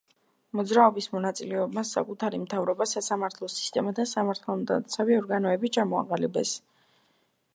მოძრაობის მონაწილეებმა საკუთარი მთავრობა, სასამართლო სისტემა და სამართალდამცავი ორგანოები ჩამოაყალიბეს.